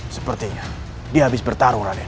sepertinya dia habis bertarung rade